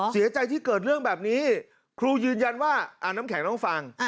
เสียใจที่เกิดเรื่องแบบนี้ครูยืนยันว่าน้ำแข็งต้องฟัง